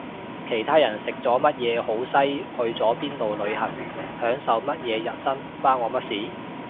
其他人食咗乜嘢好西去咗邊度旅行享受乜嘢人生關我乜事